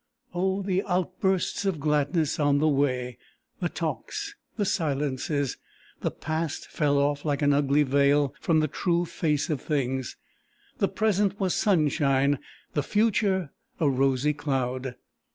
Oh the outbursts of gladness on the way! the talks! the silences! The past fell off like an ugly veil from the true face of things; the present was sunshine; the future a rosy cloud.